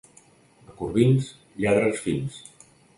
A Corbins, lladres fins.